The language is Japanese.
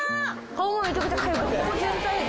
顔もめちゃくちゃかゆくて。